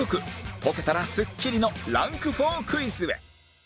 解けたらすっきりのランク４クイズへ